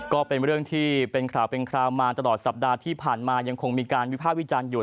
ก็เป็นเรื่องที่เป็นข่าวเป็นคราวมาตลอดสัปดาห์ที่ผ่านมายังคงมีการวิภาควิจารณ์อยู่